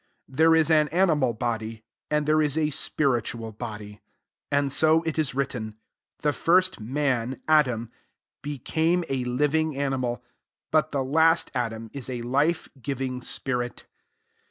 There is sui animal body, and there is a spiritual [body.] 45 And so it is written; The first " man," Adam, "be came a living animal : but the last Adam is a life giving spi rit."